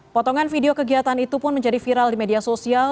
potongan video kegiatan itu pun menjadi viral di media sosial